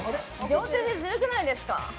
両手でずるくないですか？